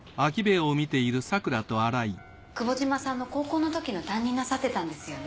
久保島さんの高校のときの担任なさってたんですよね。